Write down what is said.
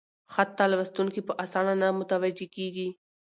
خط ته لوستونکي په اسانه نه متوجه کېږي: